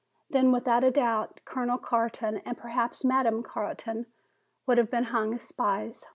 Then without a doubt Colonel Carton and perhaps Madame Carton would have been hung as spies."